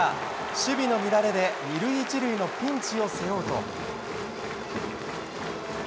守備の乱れで２塁１塁のピンチを背負うと。